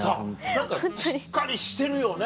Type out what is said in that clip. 何かしっかりしてるよね。